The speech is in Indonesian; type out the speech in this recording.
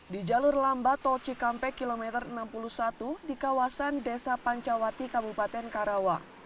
di jalur lambat tol cikampek kilometer enam puluh satu di kawasan desa pancawati kabupaten karawang